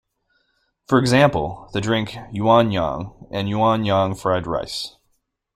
For example, the drink yuanyang and yuan-yang fried rice.